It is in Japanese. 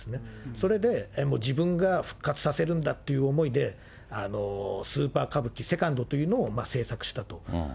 それで自分が復活させるんだって思いで、スーパー歌舞伎セカンドというのを制作したと。